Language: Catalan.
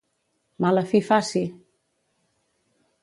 Mala fi faci!